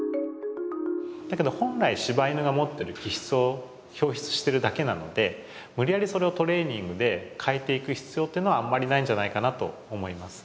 だけど本来柴犬が持ってる気質を表出してるだけなので無理やりそれをトレーニングで変えていく必要っていうのはあんまりないんじゃないかなと思います。